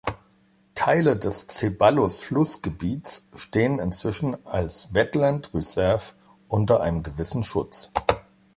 Teile des Zeballos-Flussgebiets stehen inzwischen als "Wetland Reserve" unter einem gewissen Schutz.